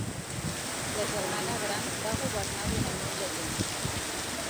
La germana gran va governar durant molt de temps.